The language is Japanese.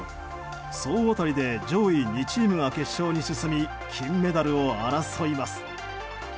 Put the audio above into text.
総当たりで上位２チームが決勝に進み金メダルを争います。